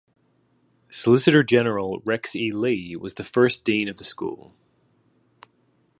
Solicitor General Rex E. Lee was the first dean of the school.